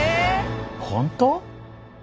本当？